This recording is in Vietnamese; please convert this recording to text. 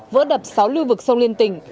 vỡ đập sáu lưu vực sông liên tình